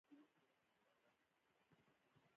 افغانستان د بزګان په برخه کې نړیوال شهرت لري.